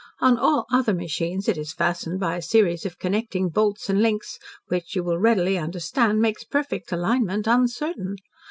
On all other machines it is fastened by a series of connecting bolts and links, which you will readily understand makes perfect alignment uncertain.